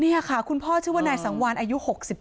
นี่ค่ะคุณพ่อชื่อว่านายสังวานอายุ๖๗